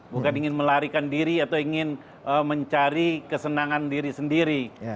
bukan ingin melarikan diri atau ingin mencari kesenangan diri sendiri